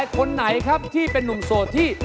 คนไหนครับที่เป็นนุ่มโสดที่